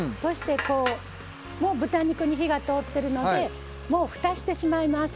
もう豚肉に火が通ってるのでもうふたしてしまいます。